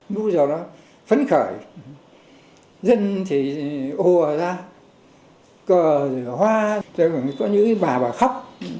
núi vào đó phấn khởi dân thì ô ra cờ thì hoa có những bà bà khóc